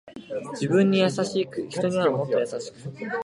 自分に優しく人にはもっと優しく